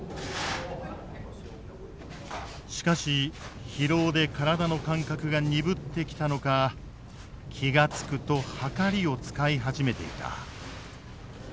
しかし疲労で体の感覚が鈍ってきたのか気が付くと秤を使い始めていた。